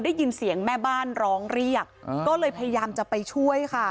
ได้ยินเสียงแม่บ้านร้องเรียกก็เลยพยายามจะไปช่วยค่ะ